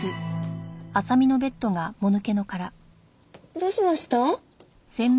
どうしました？